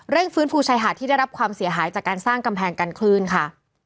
ฟื้นฟูชายหาดที่ได้รับความเสียหายจากการสร้างกำแพงกันคลื่นค่ะ